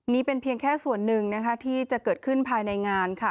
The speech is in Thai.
นี่เป็นเพียงแค่ส่วนหนึ่งนะคะที่จะเกิดขึ้นภายในงานค่ะ